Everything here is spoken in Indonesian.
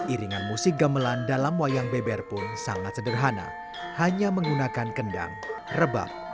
iringan musik gamelan dalam wayangnya itu adalah sebuah tempat untuk mengembangkan kekuatan di dalam